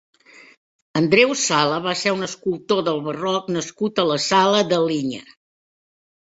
Andreu Sala va ser un escultor del barroc nascut a La Sala de Linya.